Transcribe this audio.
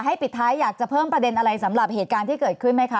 ปิดท้ายอยากจะเพิ่มประเด็นอะไรสำหรับเหตุการณ์ที่เกิดขึ้นไหมคะ